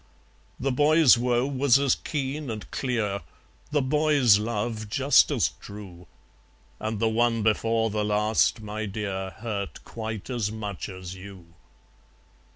The boy's woe was as keen and clear, The boy's love just as true, And the One Before the Last, my dear, Hurt quite as much as you.